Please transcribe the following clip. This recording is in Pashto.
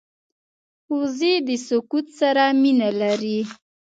وزې د سکوت سره مینه لري